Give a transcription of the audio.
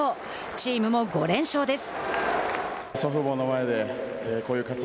チームも５連勝です。